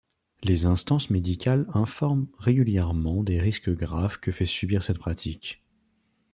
Les instances médicales informent régulièrement des risques graves que fait subir cette pratique.